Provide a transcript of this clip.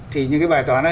thì những cái bài toán đó